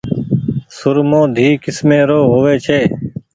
سرمو ڌي ڪيسمي رو هووي ڇي۔